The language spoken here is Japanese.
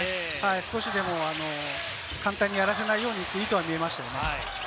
少しでも簡単にやらせないようにという意図が見えました。